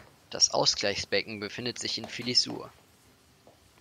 Das Ausgleichsbecken befindet sich in Filisur.